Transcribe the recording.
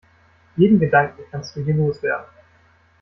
Jeden Gedanken kannst du hier loswerden.